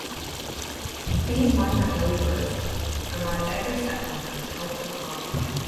These migrant laborers arrive every September to help with the harvest.